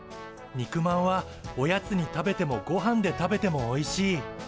肉まんはおやつに食べてもごはんで食べてもおいしい！